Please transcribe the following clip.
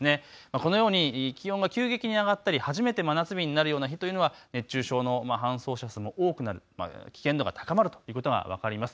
このように気温が急激に上がったり初めて真夏日になるような日は熱中症の搬送者数も多くなる、危険度が高まるということが分かります。